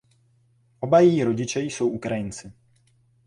Oba její rodiče jsou Ukrajinci.